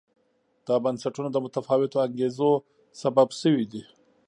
دا بنسټونه د متفاوتو انګېزو سبب شوي دي.